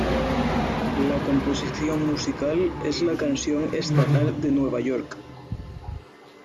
La composición musical es la canción estatal de Nueva York.